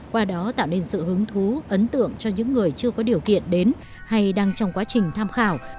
qua đó tạo nên sự hứng thú ấn tượng cho những người chưa có điều kiện đến hay đang trong quá trình tham khảo